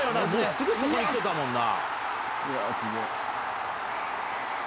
すぐそこに来てたもんな。